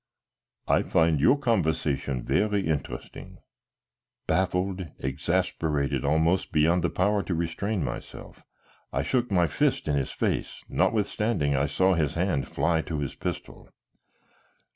"I find your conversation very interesting." Baffled, exasperated almost beyond the power to restrain myself, I shook my fist in his face, notwithstanding I saw his hand fly to his pistol.